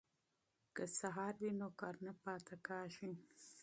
که سهار وي نو کار نه پاتې کیږي.